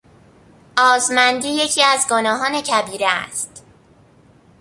آزمندی یکی از گناهان کبیره است.